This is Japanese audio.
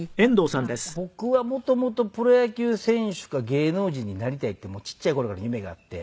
僕はもともとプロ野球選手か芸能人になりたいってもうちっちゃい頃からの夢があって。